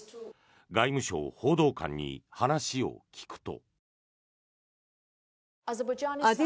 外務省報道官に話を聞くと。